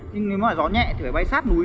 nhưng nếu mà gió nhẹ thì phải bay sát núi